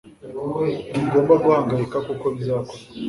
Ntugomba guhangayika kuko bizakorwa